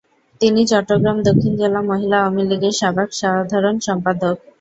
তিনি চট্টগ্রাম দক্ষিণ জেলা মহিলা আওয়ামীলীগের সাবেক সাধারণ সম্পাদক।